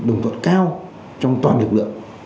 đồng tuận cao trong toàn lực lượng